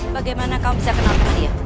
bagaimana kau bisa kenal sama dia